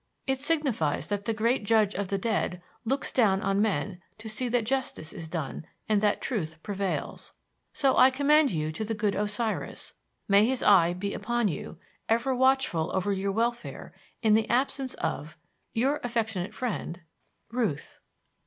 It signifies that the great judge of the dead looks down on men to see that justice is done and that truth prevails. So I commend you to the good Osiris; may his eye be upon you, ever watchful over your welfare in the absence of_ "Your affectionate friend, "RUTH."